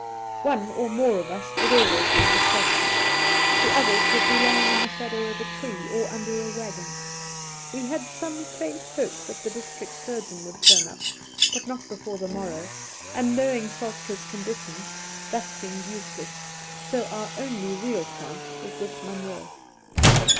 One or more of us would always be with Soltk^ ; the others would be lying in the shadow of a tree Soltke 69 or under a waggon. We had some faint hope that the district surgeon would turn up, but not before the morrow, and, knowing Soltk^'s condition, that seemed useless, so that our only real chance was with Munroe.